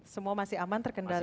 semua masih aman terkendali